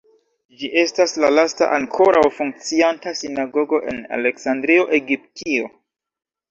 Ĝi estas la lasta ankoraŭ funkcianta sinagogo en Aleksandrio, Egiptio.